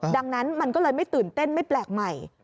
ดังนั้นมันก็เลยไม่ตื่นเต้นไม่แปลกใหม่